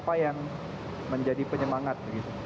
apa yang menjadi penyemangat